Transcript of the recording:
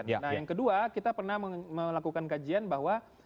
nah yang kedua kita pernah melakukan kajian bahwa